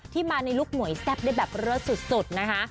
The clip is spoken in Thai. มาในลุคหมวยแซ่บได้แบบเลิศสุดนะคะ